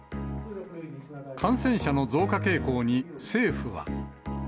感染者の増加傾向に、政府は。